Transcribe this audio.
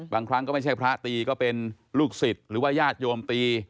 บางครั้งก็ไม่ใช่พระตีก็เป็นลูกศิษย์หรือว่าญาติโยมตี